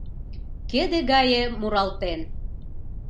Кеде гае муралтен